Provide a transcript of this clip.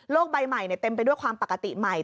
โลกใบใหม่เนี่ยเต็มไปด้วยความปกติใหม่